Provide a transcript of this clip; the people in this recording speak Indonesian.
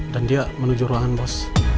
dan dia menuju ruangan bos